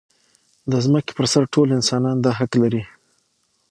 د ځمکې پر سر ټول انسانان دا حق لري.